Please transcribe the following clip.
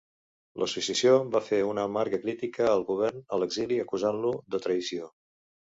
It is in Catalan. L'Associació va fer una amarga crítica al govern a l'exili, acusant-ho de traïció.